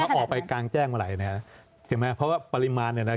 พอออกไปกางแจ้งเวลานะครับเพราะว่าปริมาณเนี่ยนะ